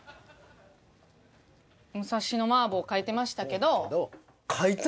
武蔵野麻婆書いてましたけど。